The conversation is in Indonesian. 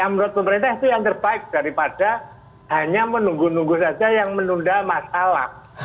menurut pemerintah itu yang terbaik daripada hanya menunggu nunggu saja yang menunda masalah